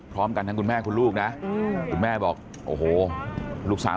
พร้อมกันทั้งคุณแม่และคุณลูก